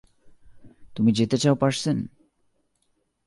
তুমি যেতে চাও, পার্সেন?